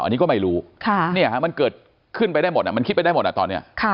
อันนี้ก็ไม่รู้มันเกิดขึ้นไปได้หมดมันคิดไปได้หมดตอนนี้